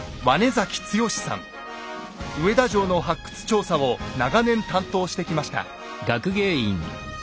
上田城の発掘調査を長年担当してきました。